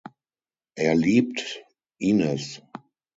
Er liebt Inez.